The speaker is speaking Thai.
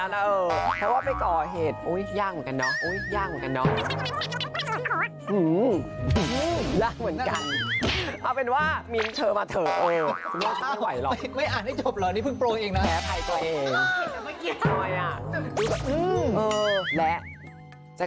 อะไรละกันกลัวอีกฝับคือครั้ง